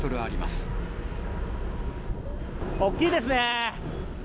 大きいですね。